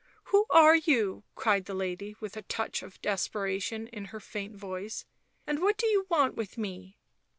"Who are you?" cried the lady, with a touch of desperation in her faint voice. " And what do you want with me